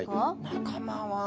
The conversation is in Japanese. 仲間は。